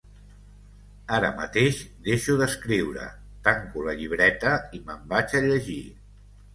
Ara mateix deixo d'escriure, tanco la llibreta i me'n vaig a llegir.